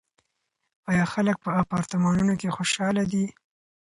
آیا خلک په اپارتمانونو کې خوشحاله دي؟